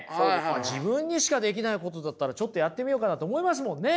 自分にしかできないことだったらちょっとやってみようかなと思いますもんね！